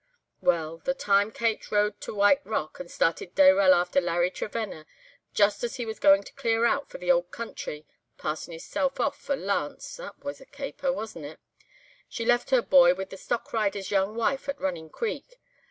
"'Well, the time Kate rode to White Rock and started Dayrell after Larry Trevenna, just as he was goin' to clear out for the old country, passin' hisself off for Lance (that was a caper, wasn't it?), she left her boy with the stockrider's young wife at Running Creek.